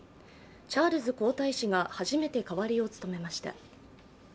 チャールズ皇太子が初めて代わりを務めました。